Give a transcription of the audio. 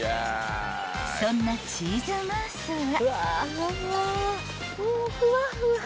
［そんなチーズムースは］